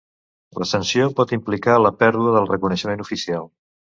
La sanció pot implicar la pèrdua del reconeixement oficial.